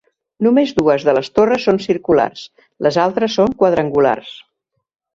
Només dues de les torres són circulars, les altres són quadrangulars.